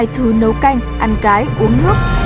hai thứ nấu canh ăn cái uống nước